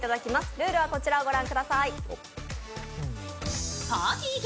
ルールはこちらをご覧ください。